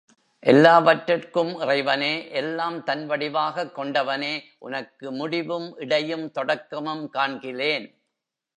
எல்லாவற்றுக்கும் இறைவனே, எல்லாம் தன் வடிவாகக் கொண்டவனே, உனக்கு முடிவும் இடையும் தொடக்கமும் காண்கிலேன்.